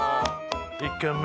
１軒目。